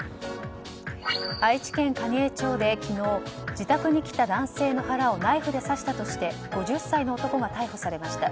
愛知県蟹江町で昨日自宅に来た男性の腹をナイフで刺したとして５０歳の男が逮捕されました。